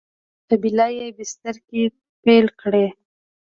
قبیله یي بستر کې پیل کړی.